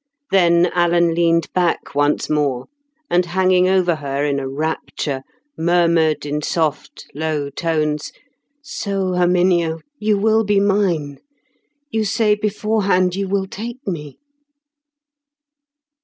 Then Alan leaned back once more, and hanging over her in a rapture murmured in soft low tones, "So, Herminia, you will be mine! You say beforehand you will take me."